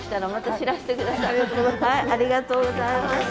ありがとうございます。